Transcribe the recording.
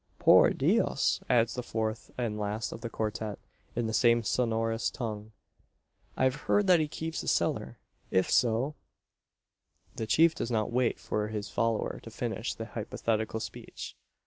"Por Dios!" adds the fourth and last of the quartette, in the same sonorous tongue. "I've heard that he keeps a cellar. If so " The chief does not wait for his follower to finish the hypothetical speech.